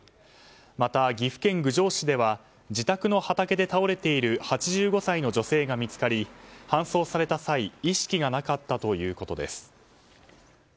また、岐阜県郡上市では自宅の畑で倒れている８５歳の女性が見つかり搬送された際意識がなかったということです。